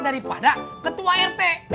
daripada ketua rt